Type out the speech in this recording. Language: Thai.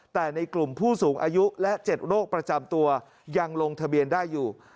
แต่ในกลุ่มผู้สูงอายุและ๗โรคประจำตัวยังลงทะเบียนได้อยู่